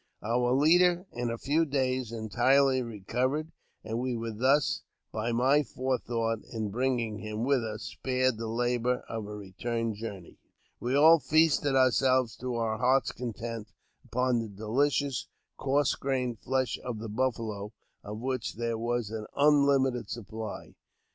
Our leader, in a few days, entirely recovered, and we were thus, by my forethought in bringing him with us, spared the labour of a return journey. We all feasted ourselves to our hearts' content upon the delicious, coarse grained flesh of the buffalo, of which there was an unlimited supply.